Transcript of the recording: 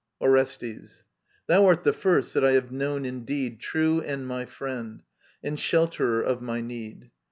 Orestes. Thou art the first that I have known in deed True and my friend, and shelterer of my need.